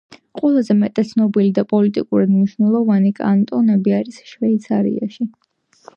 ყველაზე მეტად ცნობილი და პოლიტიკურად მნიშვნელოვანი კანტონები არის შვეიცარიაში.